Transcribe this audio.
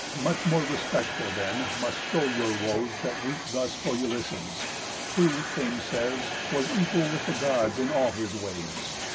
Much more respectful then must show your woes That weep thus for Ulysses, who, Fame says, Was equal with the Gods in all his ways.